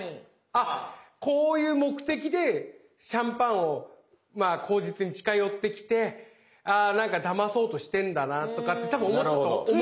あこういう目的でシャンパンを口実に近寄ってきて何かだまそうとしてんだなとかってたぶん思ったと思うんですよ。